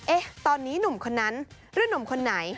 ตอนนี้หนุ่มคนนั้นหรือหนุ่มคนไหน